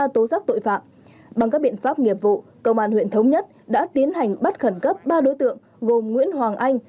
tố giác tội phạm bằng các biện pháp nghiệp vụ công an huyện thống nhất đã tiến hành bắt khẩn cấp ba đối tượng gồm nguyễn hoàng anh